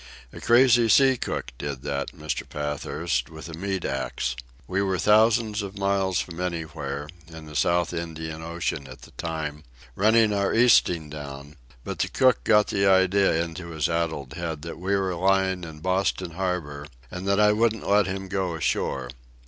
"A crazy sea cook did that, Mr. Pathurst, with a meat axe. We were thousands of miles from anywhere, in the South Indian Ocean at the time, running our Easting down, but the cook got the idea into his addled head that we were lying in Boston Harbour, and that I wouldn't let him go ashore.